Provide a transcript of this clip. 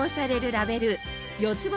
ラベル４つ星